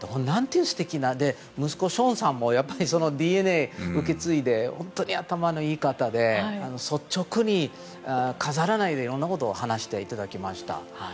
そして、息子のショーンさんもそのＤＮＡを受け継いで本当に頭のいい方で率直に、飾らないでいろんなことを話していただきました。